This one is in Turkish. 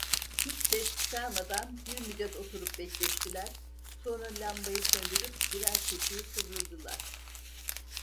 Hiç ses çıkarmadan bir müddet oturup bekleştiler, sonra lambayı söndürüp birer köşeye kıvnldılar.